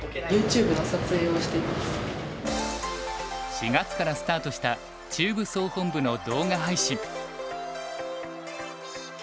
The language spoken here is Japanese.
４月からスタートした中部総本部の動画配信。